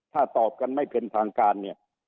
ถ้าตอบกันไม่เป็นทางการเนี่ย